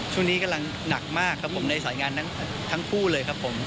ช่วงนี้กำลังหนักมากครับผมในสายงานนั้นทั้งคู่เลยครับผม